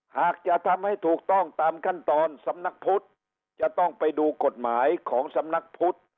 หากจะทำให้ถูกต้องตามขั้นตอนสำนักพุทธจะต้องไปดูกฎหมายของสำนักพุทธ